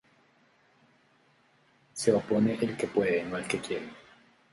Se opone el que puede, no el que quiere